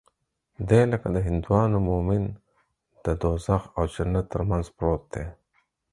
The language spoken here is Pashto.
دى لکه د هندوانو مومن د دوږخ او جنت تر منځ پروت دى.